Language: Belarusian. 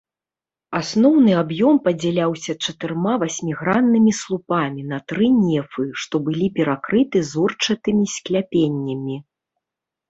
Асноўны аб'ём падзяляўся чатырма васьміграннымі слупамі на тры нефы, што былі перакрыты зорчатымі скляпеннямі.